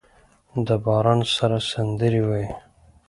د باران سره سندرې وايي